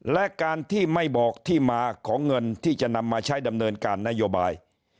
และการที่ไม่บอกที่มาของเงินที่จะนำมาใช้ดำเนินการนโยบาย